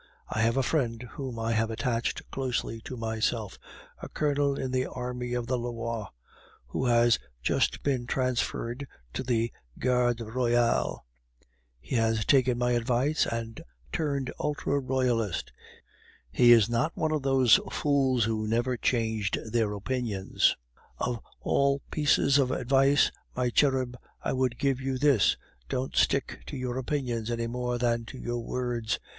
I have a friend whom I have attached closely to myself, a colonel in the Army of the Loire, who has just been transferred into the garde royale. He has taken my advice and turned ultra royalist; he is not one of those fools who never change their opinions. Of all pieces of advice, my cherub, I would give you this don't stick to your opinions any more than to your words.